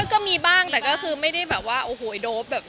ก็มีบ้างแต่ก็คือให้ไม่ได้โดภ